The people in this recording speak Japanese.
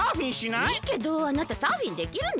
いいけどあなたサーフィンできるの？